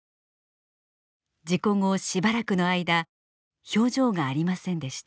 事故後しばらくの間表情がありませんでした。